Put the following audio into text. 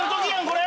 これ！